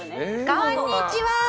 こんにちは！